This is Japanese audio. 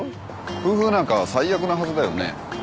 夫婦仲は最悪なはずだよね。